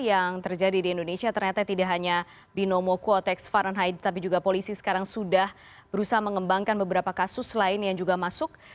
yang terjadi di indonesia ternyata tidak hanya binomo quotex fahrenheit tapi juga polisi sekarang sudah berusaha mengembangkan beberapa kasus lain yang juga masuk